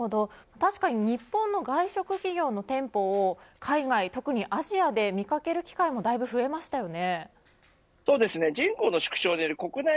確かに日本の外食企業の店舗を海外、特にアジアで見掛ける機会もだいぶ増えましたよね。